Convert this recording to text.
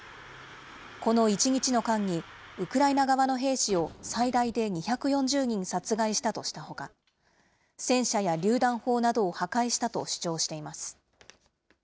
この１日の間に、ウクライナ側の兵士を最大で２４０人殺害したとしたほか、戦車やりゅう弾砲などを破壊したと主張しています。